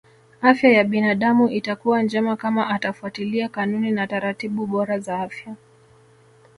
Afya ya binadamu itakuwa njema kama atafuatilia kanuni na taratibu bora za afya